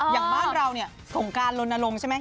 อย่างบ้านเราเนี่ยสงการลนลงใช่ไหม